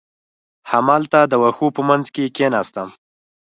همالته د وښو په منځ کې کېناستم.